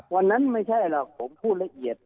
ไม่ใช่หรอกผมพูดละเอียด